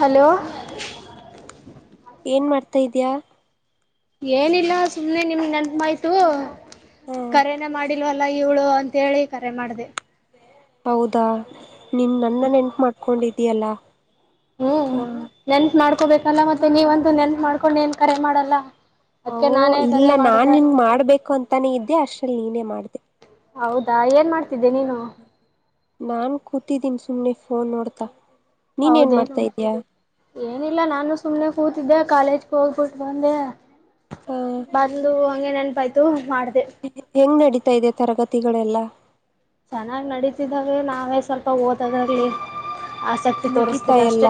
Hello ಏನ್ ಮಾಡ್ತಾ ಇದ್ಯಾ. ಏನಿಲ್ಲ ಸುಮ್ನೆ ನಿಮ್ ನೆಪ್ಮಾಯ್ತು ಹ ಕರೆನೆ ಮಾಡಿಲ್ವಲ್ಲ ಇವ್ಳು ಅಂತೇಳಿ ಕರೆ ಮಾಡ್ದೆ. ಹೌದಾ ನಿನ್ ನನ್ನ ನೆನ್ಪ್ ಮಾಡ್ಕೊಂಡಿದ್ ಡಿಯಲ್ಲ ಹು ನೆನ್ಪ್ ಮಾಡ್ ಕೋಬೇಕಲ್ಲ ಮತ್ತೆ ನೀವಂತೂ ನೆನ್ಪ್ ಮಾಡ್ಕೊಂಡು ಏನ್ ಕರೆ ಮಾಡಲ್ಲ. ಓ ಅದ್ಕ್ಕೆ ನಾನೇ ಇಲ್ಲ ಕರೆ ನಾನ್ ಮಾಡಿದ್ರೆ ನಿನ್ ಮಾಡ್ಬೇಕು ಅಂತಾನೇ ಇದ್ದೆ ಅಷ್ಟ್ರಲ್ಲಿ ನೀನೇ ಮಾಡ್ದೆ. ಹೌದಾ ಏನ್ ಮಾಡ್ ತಿದ್ದೆ ನೀನು. ನಾನ್ ಕೂತಿದೀನ್ ಸುಮ್ನೆ ಫೋನ್ ನೊಡ್ತಾ. ಹೌದೇನು, ಏನಿಲ್ಲ ನಾನು ಸುಮ್ನೆ ಕೂತ್ ತಿದ್ದ ಕಾಲೇಜ್ಗ ಹೋಗ್ಬುಟ್ ಬಂದೆ. ಹ ಬಂದು ಹಂಗೆ ನೆನ್ಪಾಯತ್ ತು ಮಾಡ್ ಹೆಂಗ್ ನಡೀತಾಯಿದೆ ತರಗತ್ ತಿಗಳೆಲ್ಲ. ಚೆನ್ನಾಗ್ ನಡತಿದವೆ ನಾವೇ ಸ್ವಲ್ಪ ಓದದ್ರಲ್ಲಿ. ಮುಗೀತ ಎಲ್ಲ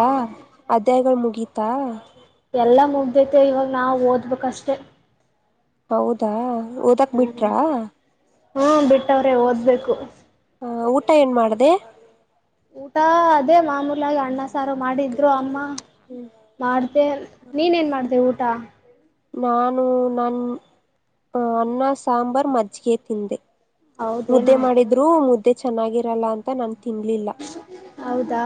ಅದ್ಯಾಯಗಳ್ ಮುಗಿತ್ ತ್ತ. ಎಲ್ಲ ಮುಗ್ದೈತೆ ಇವಾಗ್ ನಾವ್ ಓದ್ಬೇಕಷ್ಟೇ. ಹೌದಾ ಓದಕ್ ಬಿಟ್ರಾ. ಹ ಬಿಟ್ಟವ್ರೆ ಓದ್ಬೇಕು. ಅ ಊಟ ಏನ್ ಮಾಡ್ದ. ಊಟ ಅದೇ ಮಾಮೂಲಾಗ್ ಅಣ್ಣ ಸಾರು ಮಾಡಿದ್ರು ಅಮ್ಮ. ಮಾಡ್ದೆ ನೀನ್ ಏನ್ ಮಾಡ್ದೆ ಊಟ. ನಾನು ನನ್ ಅನ್ನ ಸಾಂಬಾರ್ ಮಜ್ಗೆ ತಿಂದೆ. ಮುದ್ದೆ ಹೌದೇನು ಮಾಡಿದ್ರು ಮುದ್ ದ್ದೆ ಚೆನ್ನಾಗಿರಲ್ಲ ಅಂತ ನನ್ ಹೌದಾ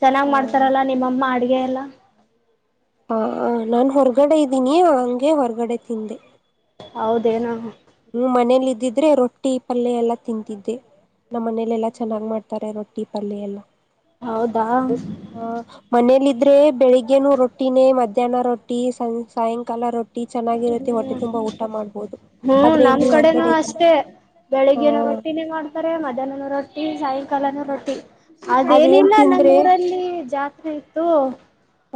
ಚೆನ್ನಾಗ್ ಹ ಮಾಡ್ತಾರಲ್ಲ ನಿಮ್ಮಮ್ಮ ಅಡ್ಗೆ ಎಲ್ಲ. ಹ ನಾನ್ ಹೊರ್ಗಡೆ ಇದ್ದೀನಿ ಹಂಗೆ ಹೊರ್ಗಡೆ ತಿಂದೆ. ಹೌದೇನು ಹ್ಮ್ ಮನೇಲಿ ಇದ್ದಿದ್ರೆ ರೊಟ್ಟಿ ಪಲ್ಯ ಎಲ್ಲಾ ತಿಂತಿದ್ದೆ ನಮ್ಮ್ ಮನೇಲೆಲ್ಲಾ ಚೆನ್ನಾಗ್ ಮಾಡ್ತಾರೆ ರೊಟ್ಟಿ ಪಲ್ಯ ಎಲ್ಲ. ಹೌದಾ ಹ್ಮ್ ಹ ಮನೆಲಿದ್ ದ್ರೆ ಬೆಳಿಗ್ಗೆನು ರೊಟ್ಟಿನೇ ಮಧ್ಯಾಹ್ನ ರೊಟ್ಟಿ ಸನ್ ಸಾಯಂಕಾಲ ರೊ ಟ್ಟಿ ಚೆನ್ನಾಗಿರುತ್ತೆ ಹೊಟ್ಟೆ ತುಂಬಾ ಊಟ ಮಾಡ್ಬೋದು. ಹ್ಮ ಆದ್ರೆ ನಮ್ಮ್ ಇಲ್ಲಿ ಕಡೆನೂ ಹೊರಗಡೆ ಅಷ್ಟೇ ಹ ಬೆಳಿಗ್ಗೆನು ರೊಟ್ಟಿನೇ ಮಾಡ್ತಾರೆ ಮಧ್ಯಾಹ್ನನು ರೊಟ್ಟಿ ಸಾಯಂಕಾಲನು ರೊಟ್ಟಿ. ಅದೇನ್ ಅದೇನಿಲ್ಲ ನಮ್ಮ್ ತಿಂದ್ರೆ ಊರಲ್ಲಿ ಜಾತ್ ರಿತು.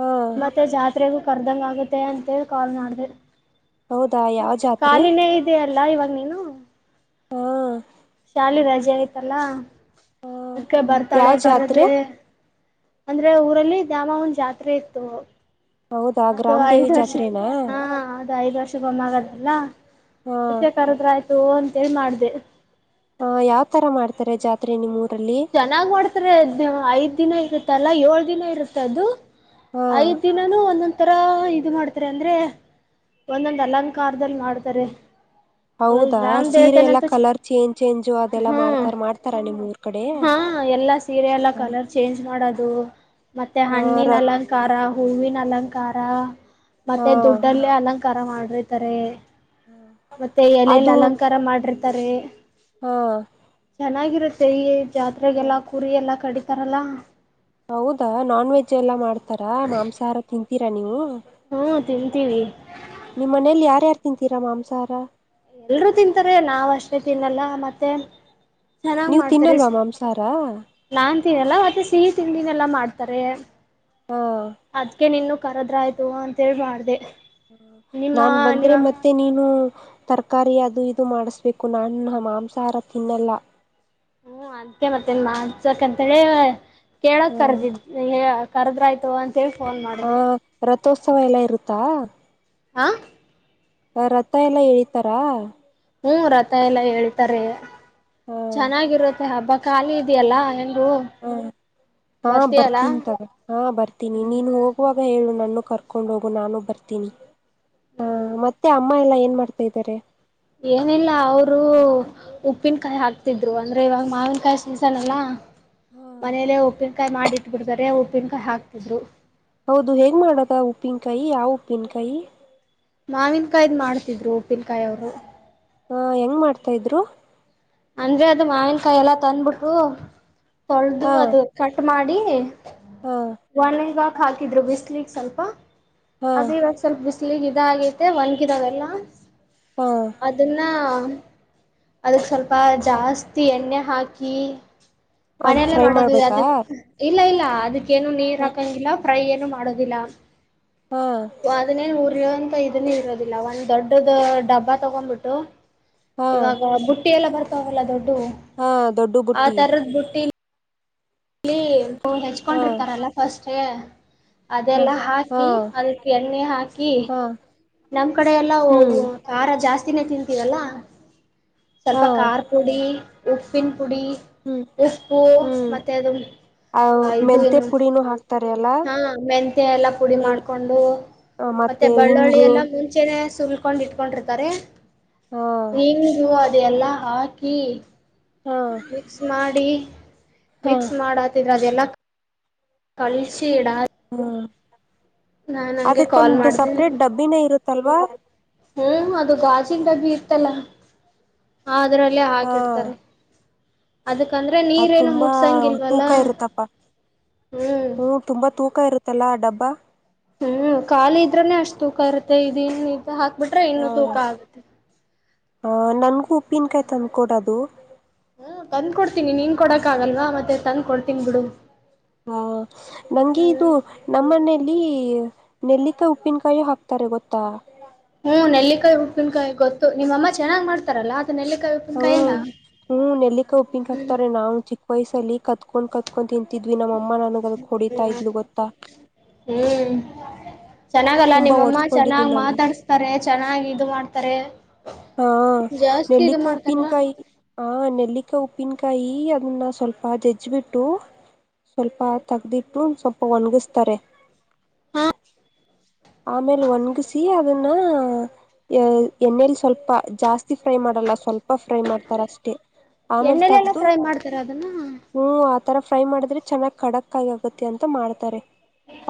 ಹಾ ಮತ್ತೆ ಜಾತ್ರೆಗು. ಕರ್ದಂಗ್ ಆಗುತ್ತೆ ಅಂತೇಳ್ ಕಾಲ್ ಮಾಡ್ದೆ. ಹೌದಾ ಯಾವ ಜಾತ್ರೆ ಕಾಲಿನೇ ಇದ್ಯಲ್ಲ ಇವಾಗ್ ನೀನು. ಹಾ ಅಲ್ಲಿ ರಜೆ ಆಯ್ತಲ್ಲಾ. ಹ ಅದ್ಕ ಬರ್ತಾಳೆ ಯಾವ ಜಾತ್ರೆ ಕರದ್ರೆ. ಅಂದ್ರೆ ಊರಲ್ಲಿ ದ್ಯಾಮನ್ ಜಾತ್ರೆ ಇತ್ತು. ಹೌದಾ ಅದು ಗ್ರಾಮ ದೇವಿ ಐದ್ ವರ್ಷ ಜಾತ್ರೆನಾ ಹಾ ಅದು ಐದ್ ವರ್ಷ ಒಮ್ಮೆ ಆಗದ್ ಅಲ್ಲ. ಹಾ ಹುಸೆ ಕರುದ್ರ್ ಆಯ್ತು ಅಂ ಸೆಲ್ ಮಾಡ್ದೆ. ಹ ಯಾವ್ ತರ ಮಾಡ್ತಾರೆ ಜಾತ್ರೆ ನಿಮ್ ಚೆನ್ನಾಗ್ ಮಾಡ್ತಾರೆ ದಿ ಐದ್ ದಿನ ಇರುತ್ ತಲಾ ಓಳ್ ದಿನ ಇರುತದು. ಹಾ ಐದ್ ದಿನಾನು ಒಂನೋನ್ ಒಂತರ ಇದು ಮಾಡ್ತಾರೆ ಅಂದ್ರೆ ಒಂದೊಂದ್ ಅಲಂಕಾರ್ದಲ್ ಮಾಡ್ತಾರೆ. ಹೌದಾ ರಾಮ್ ಸೀರೆ ಎಲ್ಲಾ ದೇವತೆನಂತೂ ಕಲರ್ ಚೇಂಜ್ ಚೇಂಜು ಅದೆಲ್ಲ ಹ್ಮ್ ಮಾಡ್ತಾರ್ ಮಾಡ್ತಾರ ನಿಮ್ಮೂರ್ ಕಡೆ ಹಾ ಎಲ್ಲಾ ಸೀರೆ ಎಲ್ಲಾ ಕಲರ್ ಚೇಂಜ್ ಮಾಡ್ ಮಾಡದು. ಮತ್ತೆ ಹ ಹಣ್ಣಿನ್ ರ ಅಲಂಕಾರ. ಹೂವಿನ್ ಅಲಂಕಾರ. ಹಾ ಮತ್ತೆ ದುಡ್ಡಲ್ಲೆ ಅಲಂಕ್ ಕರ ಮಾಡಿರ್ತರೆ. ಮತ್ತೆ ಎಲೆಲ್ ಅಲಂಕಾರ ಮಾಡ್ರ್ ತರೇ. ಹೊ. ತು ಚೆಯೇದ್. ಜಾತ್ರೆಗೆಲ್ಲ ಕುರಿ ಎಲ್ಲ ಕಡಿತ್ ತರಲ್ಲ. ಹೌದಾ ನಾನ್ ವೆಜ್ ಎಲ್ಲಾ ಮಾಡ್ತಾರಾ ಮಾಂಸಾಹಾರ ತಿಂ ತಿರಾ ನೀವು. ಹುಂ ತಿಂತೀವಿ. ನಿಮ್ಮ್ ಮನೇಲ್ ಯಾರ್ಯಾರ್ ತಿಂತೀರ ಮಾಂಸಹಾರ. ಎಲ್ರೂ ತಿಂತಾರೆ ನಾವ್ ಅಷ್ಟೇ ತಿನ್ನಲ್ಲ ಮತ್ತೆ. ಚೆನ್ನಾಗ್ ನೀವ್ ತಿನ್ನಲ್ವ ಮಾಂಸಹಾರ. ತಿವ್ ಎಲ್ಲಾ ಮತ್ತೆ ಸಿಹಿ ತಿಂಡಿನೆಲ್ಲಾ ಮಾಡ್ತಾರೆ. ಹಾ ಅದ್ಕೆ ನಿನ್ನು ಕರೆದ್ರಾಯ್ತು ಅಂತ್ ಹೇಳ್ ಮಾಡ್ದೆ. ಹ ನಿಮ್ಮ ನಾನ್ ಬಂದ್ರೆ ನಿಮ್ಮ ಮತ್ತೆ ನೀನು ತರ್ ಕಾರಿ ಅದು ಇದು ಮಾಡಿಸ್ಬೇಕು ನಾನ್ ಮಾಂಸಾಹಾರ ತಿನ್ನಲ್ಲ. ಹ್ಮ್ ಅದ್ಕೆ ಮತ್ತೇನ್ ಮಾಡ್ಸಕ್ ಅಂತೇಳಿ. ಕೇಳಕ್ ಹಾ ಕರೆದಿದ್ದೆ ಹೇಯ ಕರ್ದ್ರಾಯ್ತು ಅಂತ್ ತೆಳ್ ಫೋನ್ ಮಾಡ್ದೆ. ಥೋತ್ಸವ ಎಲ್ಲ ಇರುತ್ತಾ. ಆ ಅ ರಥ ಎಲ್ಲಾ ಏಳಿತರ. ಹು ರಥ ಎಲ್ಲಾ ಏಳಿತಾರೆ. ಚೆನ್ನಾಗಿರುತ್ ಹೆ ಹಬ್ಬಾ ಕಾಲಿ ಹಾ ಹಾ ಬರ್ತೀಯಲ್ಲ ಬರ್ತೀನ್ ತಗೋ ಹಾ ಬರ್ತೀನಿ ನೀನು ಹೋಗುವಾಗ ಹೇಳು ನನ್ನು ಕರ್ಕೊಂಡ್ ಹೋಗು ನಾನು ಬರ್ತೀನಿ. ಆ ಹ್ಮ್ ಮತ್ತೆ ಅಮ್ಮ ಎಲ್ಲ ಏನ್ ಮಾಡ್ತೈದರೆ. ಏನಿಲ್ಲ ಅವ್ರು ಉಪ್ಪಿನ್ಕಾಯ್ ಹಾಕ್ತಿದ್ರು ಅಂದ್ರೆ ಇವಾಗ್ ಮಾವಿನ್ಕಾಯ್ ಸೀಸನ್ ಅಲ್ಲಾ. ಹ ಮನೇಲೆ ಉಪ್ಪಿನ್ಕಾಯ್ ಮಾಡಿಟ್ ಬಿಡ್ದರೆ ಉಪ್ಪಿನ್ಕಾಯ್ ಹಾಕ್ತಿದ್ರು. ಹೌದು ಹೆಂಗ್ ಮಾಡದ್ ಅ ಉಪ್ಪಿನ್ಕಾಯಿ ಯಾವ್ ಉಪ್ಪಿನ್ಕಾಯಿ. ಮಾವಿನ್ಕಾಯ್ದ್ ಮಾಡ್ತಿದ್ರು ಉಪ್ಪಿನ್ಕಾಯ್ ಅವ್ರು. ಆ ಹೆಂಗ್ ಮಾಡ್ತಾ ಇದ್ರು. ಅಂದ್ರೆ ಅದು ಮಾವನ್ಕಾಯ್ ಎಲ್ಲಾ ತಂದ್ಬುಟ್ಟು ತೊಳದು ಹಾ ಅದು ಕಟ್ ಮಾಡ್ ನಿ ಹಾ ಒಣಿಗಾಕ್ ಹಾಕಿದ್ರು ಬಿಸ್ಲಿಗ್ ಸ್ವಲ್ಪ ಹಾ ಅದ್ ಇವಾಗ್ ಸ್ವಲ್ಪ ಬಿಸ್ಲಿಗ್ ಇದ್ ಇದ್ ಆಗೈತೆ ಒಣ್ಕಿರವೆಲ್ಲ. ಹಾ ಅದುನ್ನ ಅದ್ಕ್ ಸ್ವಲ್ಪ ತುಪ್ಪ ಜಾಸ್ತಿ ಎಣ್ಣೆ ಹಾಕಿ ಅದ್ ಮನೆಯಲ್ಲೇ ಫ್ರೈ ಮಾಡದು ಮಾಡ್ಬೇಕಾ ಯಾವುದುಕ್ ಇಲ್ಲ ಇಲ್ಲ ಅದು ಅದಕ್ಕೇನು ನೀರು ಹಾಕೋಂಗಿಲ್ಲ ಫ್ರೈ ಏನು ಮಾಡೋದಿಲ್ಲ ಹಾ ಅದು ಏನು ಉರಿಯೋ ಇದನ್ನ ಇರೋದಿಲ್ಲ ಒಂದ್ ದೊಡ್ಡದ ಡಬ್ಬಾ ತಗೋ ಬಿಟ್ಟು ಹಾ ಇವಾಗ ಬುಟ್ಟಿ ಎಲ್ಲ ಬರ್ ತ ಹೊಲ್ಲ ದೊಡ್ಡ ಹಾ ದೊಡ್ಡು ಆ ಬುಟ್ಟಿ ತರದ ಬುಟ್ಟಿಲಿ ಕ್ಲೀನ್ ಹಾ ಹೆಚ್ಕೊಂಡಿರ್ತಾರಲ್ಲ ಫಸ್ಟ್ ಹಾ ಅದೆಲ್ಲ ಹಾ ಹಾಕಿ ಅದಕ್ಕೆ ಎಣ್ಣೆ ಹಾಕಿ ಹಾ ನಮ್ ಕಡೆ ಎಲ್ಲ ಹ್ಮ್ ಖಾರ ಜಾಸ್ತಿ ತಿನದ್ ತಿಂತೀರಲ್ಲ ಸ್ವಲ್ಪ ಹಾ ಖಾರ್ ಪುಡಿ ಉಪ್ಪಿನ ಪುಡಿ ಹ್ಮ್ ಉಪ್ಪು ಹ್ಮ್ ಮತ್ ಹ ಆ ಇದು ಮೆಂತೆ ಎನು ಪುಡಿನೂ ಹಾಕ್ತಾರೆ ಅಲ್ಲಾ ಹ ಮೆಂತೆ ಎಲ್ಲ ಪುಡಿ ಮಾಡಕೊಂಡು ಮತ್ತೆ ಬಳ್ಳುಳ್ಳಿ ಎಲ್ಲ ಮುಂಚೆ ಸುಲ್ಕೊಂಡ್ ಇಟ್ಕೊಂಡಿರ್ತಾರೆ ಹಾ ನೀನ್ ಹ ಅ ಅದೆ ಎಲ್ಲಾ ಹಾಕಿ ಹಾ ಮಿಕ್ಸ್ ಮಾಡಿ ಹಾ ಮಿಕ್ಸ್ ಮಾಡತಿದ್ ಅದೆಲ್ಲ ಕಾಲಜ್ ತೀಡಿ ಹ್ಮ್ ನಾನ ಹಂಗೆ ಕಾಲ್ ಅದಕ್ಕೊಂದು ಮಾಡ್ದೇ ಸಪ್ರೇಟ್ ಡಬ್ಬಿನೇ ಇರುತ್ತಲ್ವಾ ಹ್ಮ ಅದು ಗಾಜಿನ ಡಬ್ಬಿ ಇ ಇತ್ತಲ ಅದ್ರಲ್ಲೇ ಹಾ ಹಾಕಿಡ್ತಾರೆ ಅದಕಂದ್ರೆ ಅದ್ ನೀರೇನು ತುಂಬಾ ಮುಟ್ಸಂಗಿಲ್ವಲ್ಲ ತೂಕ ಇರುತ್ತಪ್ಪ ಹ್ಮ್ ಹ್ಮ ತುಂಬಾ ತೂಕ ಇರುತ್ತಲ್ಲಾ ಡಬ್ಬ ವಹ ಹ್ಮ್ ಖಾಲಿ ಇದ್ರನೆ ಅಷ್ಟ್ ತೂಕ ಇರುತ್ತೆ ಇದನ್ ಹಾಕ್ಬಿಟ್ರೆ ಇನ್ನು ತೂಕ ಆಗುತ್ತೆ ಆ ನನ್ಗೂ ಉಪ್ಪಿನಕಾಯ್ ತಂದ್ಕ ಕೊಡದು ಹ್ಮ ತಂದ್ ಕೊಡ್ತೀನಿ ನೀನ್ ಕೊಡಕ್ಗಲ್ವಾ ಮತ್ತೆ ತಂದ್ ಕೊಡ್ತೀನಿ ಬಿಡು ಹು ನಂಗೆ ಇದು ಹ್ಮ್ ನಮ್ಮನೆ ಇಲ್ಲಿ ನೆಲ್ಲಿಕಾಯ್ ಉಪ್ಪಿನ್ಕಾಯು ಹಾಕ್ತಾರೆ ಗೊತ್ತಾ. ಹು ನೆಲ್ಲಿಕಾಯ್ ಉಪ್ಪಿನ್ಕಾಯ್ ಗೊತ್ತು ನಿಮ್ ಅಮ್ಮ ಚೆನ್ನಾಗ್ ಮಾಡ್ತಾರಲ್ಲ ಅದು ನೆಲ್ಲಿಕಾಯಿ ಹೌ ಉಪ್ಪಿನಕಾಯಿ ಅಲ್ಲ ಹ್ಮ್ ನೆಲ್ಲಿಕಾಯ್ ಉಪ್ಪಿನ್ಕಾಯ್ ಹಾಕ್ತಾರೆ ನಾವ್ ಚಿಕ್ಕ ವಯ್ಸಲ್ಲಿ ಕದ್ಕೊಂಡ್ ಕದ್ಕೊಂಡ್ ತಿಂ ದ್ವಿ ನಮ್ ಅಮ್ಮ ನನಗ್ ಅದ್ಕ್ ಹೊಡಿತಾ ಇದ್ಲು ಗೊತ್ತಾ. ಚೆನ್ನಾಗಲ್ಲಾ ತುಂಬಾ ನಿಮ್ಮಮ್ಮ ಒಡ್ಸ್ಕೊಂಡಿದ್ದೀನಿ ಚೆನ್ನಾಗ್ ನಾನು ಮಾತಾಡ್ಸ್ತಾರೆ ಚೆನ್ನಾಗಿ ಇದ್ ಮಾಡ್ತಾರೆ. ಹಾ ಜಾಸ್ತಿ ಇದು ನೆಲ್ಲಿಕಾಯ್ ಮಾಡ್ತಾರಲ್ಲ ಉಪ್ಪಿನ್ಕಾಯಿ ಹಾ ನೆಲ್ಲಿಕ ಉಪ್ಪಿನ್ ಕಾಯಿ ಅದನ್ನ ಸ್ವಲ್ಪ ಜಜ್ಬಿಟ್ಟು ಸ್ವಲ್ಪ ತಗ್ದಿಟ್ಟು ಸ್ವಲ್ಪ ಒಣ್ಗುಸ್ತಾರೆ. ಹಾ ಆಮೇಲ್ ಒನ್ಗುಸಿ ಅದನ್ನ. ಯ ಏನೆಲ್ ಸ್ ಸ್ವಲ್ಪ ಜಾಸ್ತಿ ಫ್ರೈ ಮಾಡಲ್ಲ ಸ್ವಲ್ಪ ಫ್ರೈ ಮಾಡ್ತಾರ್ ಅಷ್ಟೇ ಆಮೇಲ್ ಎಣ್ಣೆಲೆಲ್ಲ ತಗ್ದು ಫ್ರೈ ಮಾಡ್ತಾರ ಅದನ್ನ ಹೂ ಆತರ ಫ್ರೈ ಮಾಡಿದ್ರೆ ಚೆನ್ನಾಗ್ ಕಡಕ್ ಕಾಯ್ ಆಗುತ್ತೆ ಅಂತ ಮಾಡ್ತಾರೆ.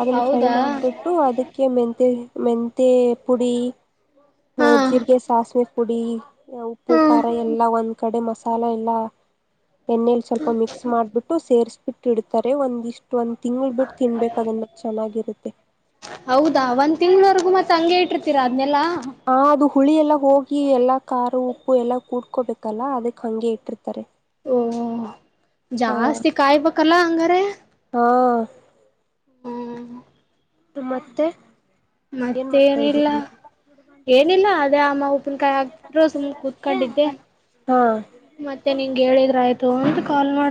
ಅದನ್ನ ಫ್ರೈ ಹೌದಾ ಮಾಡ್ಬುಟ್ಟು ಅದಕ್ ಮೆಂತೆ ಮೆಂತೆ ಪುಡಿ. ಹು ಹಾ ಜೀರ್ಗೆ ಸಾಸ್ವೆ ಪುಡಿ ಉಪ್ಪು ಹ್ಮ್ ಖಾರ ಎಲ್ಲ ಒಂದ್ ಕಡೆ ಮಸಾಲ ಎಲ್ಲ. ಎಣ್ಣೇಲ್ ಸ್ವಲ್ಪ ಮಿಕ್ಸ್ ಮಾಡ್ಬುಟ್ಟು ಸೇರ್ಸ್ ಬಿಟ್ ಇಡ್ತಾರೆ ಒಂದಿಷ್ ಚೆನ್ನಾಗಿರುತ್ತೆ. ಹೌದಾ ಒಂದ್ ತಿಂಗ್ಳವರ್ಗು ಮತ್ತ ಹಂಗೆ ಇಟ್ಟಿರ್ತೀರಾ ಅದ್ನೆಲ್ಲಾ. ಹಾ ಇದು ಹುಳಿ ಎಲ್ಲ ಹೋಗಿ ಎಲ್ಲಾ ಕಾರು ಉಪ್ಪು ಎಲ್ಲ ಕೂಡ್ಕೊಬೇಕಲ್ಲ ಅದಕ್ಕೆ ಹಂಗೆ ಇಟ್ಟಿರ್ತಾರೆ. ಓ ಹಾ ಜಾಸ್ತಿ ಕಾಯ್ಬೇಕಲ್ಲ ಹಂಗರೆ. ಹಾ ಹ್ಮ್ ನಿಮ್ಮತ್ತೆ ಮತ್ತೆ ಏನಿಲ್ಲ ಏನಿಲ್ಲ ಅದೇ ಅಮ್ಮ ಉಪ್ಪನ್ಕಾಯ್ ಹಾಕ್ತಿದ್ರು ಸುಮ್ ಕೂತ್ಕೊಂಡಿದ್ದೆ ಹಾ ಮತ್ತೆ ನಿಂಗ್ ಹೇಳಿದ್ರ್ ಆಯ್ತು ತು ಅಂತ್ ಕಾಲ್ ಮಾಡ್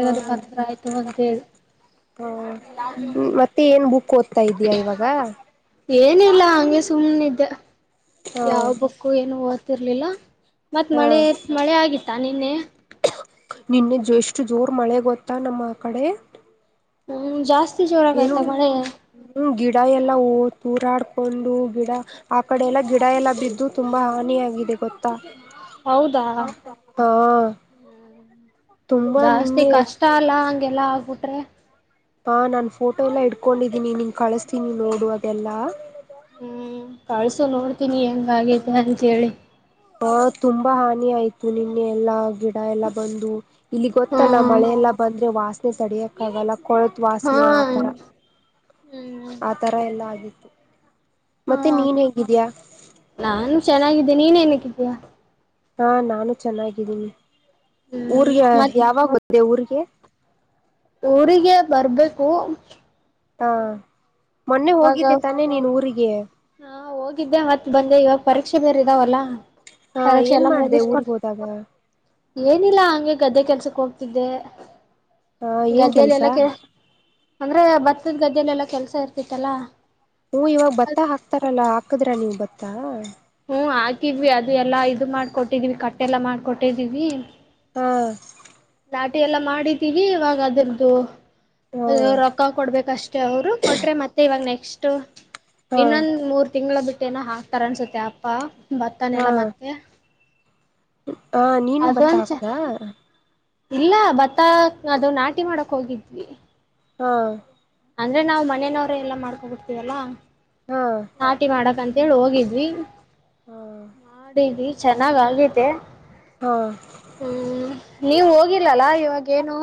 ಹ ಅಂತೇಳಿ ಹ ಮತ್ತೆ ಏನ್ ಬುಕ್ ತ್ತ ಇದ್ಯಾ ಇವಾಗ. ಏನಿಲ್ಲಾ ಹಂಗೆ ಸುಮ್ನ ಇದ್ದೆ. ಹಾ ಯಾವ್ ಬುಕ್ಕು ಏನು ಓದ್ ತಿರ್ಲಿಲ್ಲ. ಮತ್ ಹಾ ಮಳೆ ಮಳೆ ಆಗಿತ್ ತಾನಿನೆ. ನಿನ್ನೆ ಜೆಷ್ಟು ಜೋರ್ ಮಳೆ ಗೊತ್ತಾ ನಮ್ಮ ಕಡೆ. ಹ್ಮ್ ಜಾಸ್ ಏನು ಹ್ಮ ಗಿಡ ಎಲ್ಲಾ ಓ ತೂರಾಡ್ ಕೊಂಡು ಗಿಡ ಆ ಕಡೆ ಎಲ್ಲಾ ಗಿಡ ಎಲ್ಲ ಬಿದ್ದು ತುಂಬಾ ಹಾನಿಯಾಗಿದೆ ಗೊತ್ತಾ. ಹೌದಾ ಹಾ ತುಂಬಾ ನಿನ್ನೆ ಎಲ್ಲ ಆಗ್ಬಿಟ್ರೆ. ಹಾ ನಾನ್ ಫೋಟೋ ಎಲ್ಲ ಇಡ್ಕೊಂಡಿದ್ದೀನಿ ನಿನ್ ಕಳಸ್ತೀನಿ ನೋಡು ಅದೆಲ್ಲಾ. ಹ್ಮ್ ಕಳ್ಸೋ ನೋಡ್ ತಿನೀ ಹೆಂಗೇತ ಅಂತಂತೇಳಿ. ತು ನಿ ಎಲ್ಲ ಆಗಬೋಟ್ಟ್ ಎಲ್ಲ ಬಂದು ಇಲ್ಲಿ ಹಾ ಗೊತ್ತಲ್ಲ ಮಳೆಲ್ಲಾ ಬಂದ್ರೆ ವಾಸ್ತ. ತಡೆಯಕ್ಕಾಗಲ್ಲ. ಕೊಳತ್ ಹಾ ವಾಸನೆ ಆ ಥರ ಹ್ಮ್ ಆ ತರ ಎಲ್ಲಾ ಆಗಿತ್ತು. ಹಾ ಮತ್ತೆ ನೀನ್ ಹೇಗಿದೀಯಾ. ಚೆನ್ನಾಗಿದ್ದ ನೀನ ಹೆಂಗ್ ಇದಿಯಾ. ಹಾ ನಾನು ಚೆನ್ನಾಗಿದ್ದೀನಿ. ಹ್ಮ್ ಊರ್ಗೆ ಮತ್ ಯಾವಾಗ್ ಬಂರ್ತೀಯ ಊರಿಗೆ. ಊರಿಗೆ ಬರ್ಬೇಕು. ಹ. ಇವಾಗ ಹಾ ಹೋಗಿದ್ದೆ ಮತ್ತ ಬಂದೆ ಇವಾಗ. ಪರೀಕ್ಷೆ ಬೇರೆ ಇದಾವಲ್ಲ. ಹಾ ಪರೀಕ್ಷೆ ಏನ್ ಎಲ್ಲ ಮಾಡ್ದ ಮುಗಿಸ್ಕೊಂಡ ಊರ್ಗ್ ಹೋದಾಗ ಏನಿಲ್ಲ ಹಂಗೆ ಗದ್ದೆ ಕೆಲ್ಸ ಸಕೋಗ್ತಿದ್ದೆ ಹ ಏನ್ ಕೆಲ್ಸ. ಅಂದ್ರೆ ಭತ್ತದ ಗದ್ದಲ್ಲ ಎಲ್ಲಾ ಕೆಲ್ಸ ಇರ್ತತಿ ಇರುತ್ತಲ್ಲ. ಹೊ ಇವಾಗ ಭತ್ತ ಹಾಕ್ತಾರಲ್ಲ ಹಾಕದ್ರ ನೀವ್ ಭತ್ತ. ತ್ತಾ. ಹ ಹಾಕಿದ್ವಿ ಅದು ಎಲ್ಲಾ ಇದು ಮಾಡ್ಕೊಟ್ಟಿದೀವಿ ಕಟ್ಟೆಲ್ಲ ಮಾಡ್ಕೊಟ್ಟಿದೀವಿ. ಹಾ. ನಾಟಿ ಎಲ್ಲ ಮಾಡಿದ್ದೀವಿ ಇವಾಗ ಅದೃರ್ದು ಹಾ ಅ ರೊಕ್ಕ ಕೊಡ್ಬೇಕಷ್ಟೇ ಅವರು ಕೊಟ್ರೆ ಮತ್ತೆ ಇವಾಗ ನೆಕ್ಸ್ಟ್ ಟ್ಟ ಹಾ ಇನ್ನೊಂದ್ ಮೂರು ತಿಂಗಳ ಬಿಟ್ಟು ಹಾಕ್ತಾರಂನ್ಸುತ್ತೆ ಪಾ ಭತ್ತನೆೆಲ್ಲ ಮತ್ತೆ. ಆ ನೀನು ಬತ್ತ ಅದೊಂದ ಚ ಆಕ್ದ. ಇಲ್ಲ ಭತ್ತ ಅದು ನಾಟಿ ಮಾಡಕ್ ಹೋಗಿದ್ವಿ. ಹಾ ಅಂದ್ರೆ ನಾವ್ ಮನೆನವ್ರೆ ಎಲ್ಲಾ ಮಾಡ್ಕೊಬಿಡ್ತೀವಲ್ಲ. ಹಾ ನಾಟಿ ಮಾಡಕಂತ ಹೇಳಿ ಹೋಗಿದ್ವಿ ಹಾ ಮಾಡಿದ್ವಿ ಚೆನ್ನಾಗ್ ಆಗತೆ. ಹಾ ನೀವು ಹೋಗಿಲ್ಲಲ್ಲ ಇವಾಗೇನು.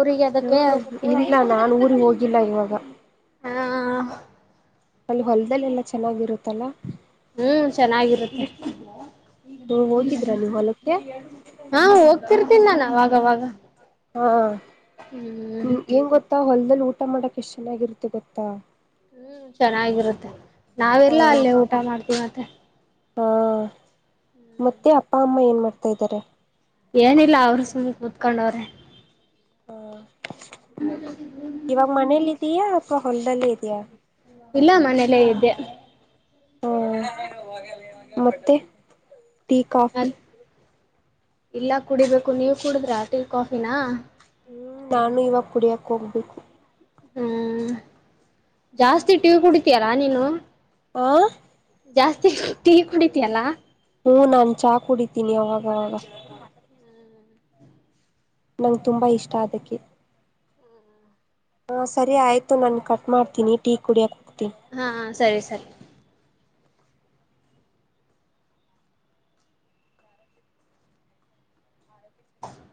ಊರಿಗೆ ಅದಕ್ಕೆ ಹ್ಮ ಇಲ್ಲ ನಾ ಊರಿಗೆ ಹೋಗಿಲ್ಲ ಇವಾಗ. ಹಾ ಅಲ್ಲಿ ಹೊಲದಲ್ಲೆಲ್ಲಾ ಚೆನ್ನಾಗಿರುತ್ತಲ್ಲ. ಹ್ಮ್ ಚೆನ್ನಾಗಿರುತ್ತೆ. ಹ್ಮ ಹೋಗಿದ್ರಾ ನೀವು ಹೊಲಕ್ಕೆ ಹಾ ಹೋಗ್ತಿರ್ತೀನಿ ನಾನು. ಅವಾಗವಾಗ. ಹಾ ಹ್ಮ್ ಎನ್ ಗೊತ್ತ ಹೊಲ್ ಅಲ್ಲಿ ಊಟ ಮಾಡಕ್ ಎಷ್ಟ್ ಚೆನ್ನಾಗಿರುತ್ತೆ ಗೊತ್ತಾ. ಹ್ಮ್ ಚೆನ್ನಾಗಿರುತ್ತೆ. ಹ ನಾವಿರ್ಲ್ಲಾ ಅಲ್ಲೇ ಊಟ ಮಾಡ್ತಿವಿ ಮತ್ತೆ. ಹಾ ಮತ್ತೆ ಅಪ್ಪ ಅಮ್ಮ ಏನ್ ಮಾಡ್ತಾ ಇದ್ದಾರೆ ಏನಿಲ್ಲ ಅವರು ಸುಮ್ಮ ಕುತ್ಕೊಂಡವ್ರೆ. ಹಾ [inaudible] ತಿಯ ಅತ್ವ ಹೊಲ್ಲೆ ಇದಿಯಾ ಇಲ್ಲ ಮನೇಲ್ಲೇ ಇದ್ದೆ. ಹ್ಮ್ ಮತ್ತೆ. Tea coffee. ಇಲ್ಲ ಕುಡಿಬೇಕು ನೀವ ಕುಡುದ್ರ ಟೀ ಕಾಫಿನ. ಹ್ಮ್ ನಾನು ಇವಾಗ ಕುಡಿಯಕ್ ಹೋಗ್ಬೇಕು. ಹ್ಮ್ ಜಾಸ್ತಿ ಟಿ ಕುಡಿತೀಯಾರಾ ನೀನು. ಆ. ಜಾಸ್ತಿ ಟೀ ಕುಡಿತಿಯಲ್ಲಾ. ಹ್ಮ ನಾನ್ ಚಾ ಕುಡಿತೀನಿ ಅವಾಗಾಗ. ನಂಗೆ ತುಂಬಾ ಇಷ್ಟ ಅದಕ್ಕೆ. ಹಾ ಸರಿ ಆಯ್ತು ನಾನ್ ಕಟ್ ಮಾಡ್ತೀನಿ ಟೀ ಕುಡಿಯಕ. ಹಾ ಸರಿ ಸರ್. [inaudible]